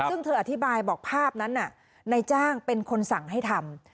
ซึ่งเธออธิบายบอกภาพนั้นน่ะนายจ้างเป็นคนสั่งให้ทำ